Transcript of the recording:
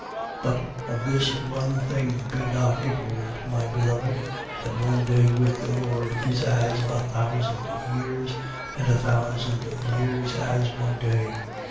3:8. But of this one thing be not ignorant, my beloved, that one day with the Lord is as a thousand years, and a thousand years as one day.